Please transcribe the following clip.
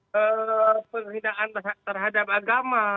ke penghinaan terhadap agama